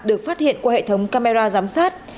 được phát hiện qua hệ thống camera giám sát